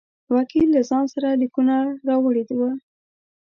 وکیل له ځان سره لیکونه راوړي وه.